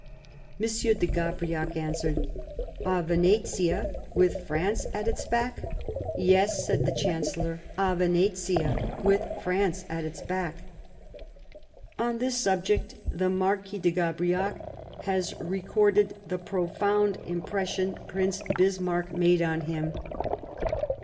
M. de Gabriac answered :" A Venetia, with France at its back ?"" Yes," said the Chancellor, " A Venetia, with France at its back." On this subject the Marquis de Gabriac has re corded the profound impression Prince Bismarck made on him.